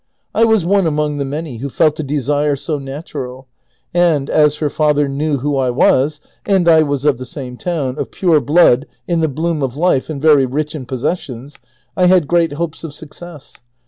I was one among tlu; many who felt a desire so natural, and, as her father knew who I was, and I was of the same town, of pure blood, in the bloom of life, and very rich in possessions, I had great hopes <if success.